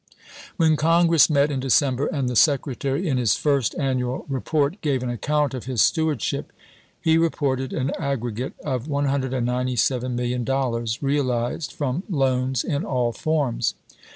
When Congress met in December and the Sec retary in his first annual report gave an account of his stewardship, he reported an aggregate of $197,000,000 realized from loans in all forms.